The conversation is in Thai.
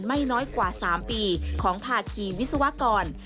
ไม่น้อยกว่า๓ปีของภาคีวิศวกร